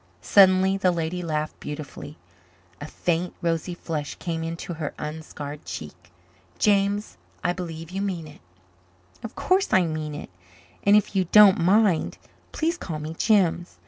Suddenly the lady laughed beautifully. A faint rosy flush came into her unscarred cheek. "James, I believe you mean it." "Of course I mean it. And, if you don't mind, please call me Jims.